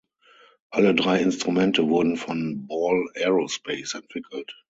Alle drei Instrumente wurden von Ball Aerospace entwickelt.